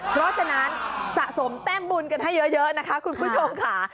เพราะฉะนั้นสะสมแต้มบุญกันให้เยอะนะคะคุณผู้ชมค่ะ